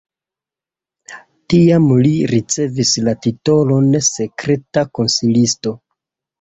Tiam li ricevis la titolon sekreta konsilisto.